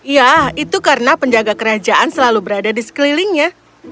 ya itu karena penjaga kerajaan selalu berada di sekelilingnya